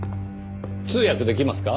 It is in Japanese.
通訳できますか？